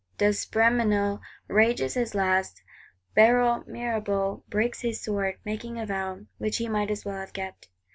D'Espréménil rages his last; Barrel Mirabeau "breaks his sword," making a vow,—which he might as well have kept.